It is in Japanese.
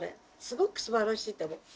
すごくすばらしいと思う。